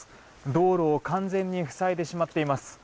道路を完全に塞いでしまっています。